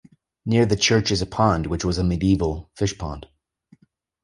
Near the church is a pond which was a medieval fishpond.